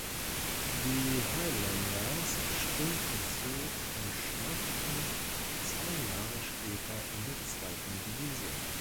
Die Highlanders stimmten zu und starteten zwei Jahre später in der zweiten Division.